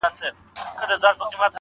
داسي دي سترگي زما غمونه د زړگي ورانوي_